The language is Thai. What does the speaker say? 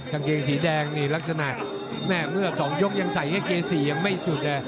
กางเกงสีแดงนี่ลักษณะแม่เมื่อ๒ยกยังใส่กางเกง๔ยังไม่สุดเลย